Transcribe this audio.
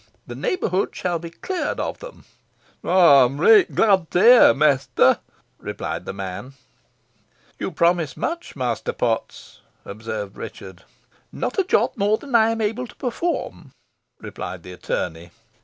The neighbourhood shall be cleared of them." "Ey'm reet glad to hear, mester," replied the man. "You promise much, Master Potts," observed Richard. "Not a jot more than I am able to perform," replied the attorney.